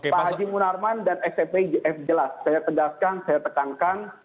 pak haji munarman dan sfgf jelas saya tegaskan saya tekankan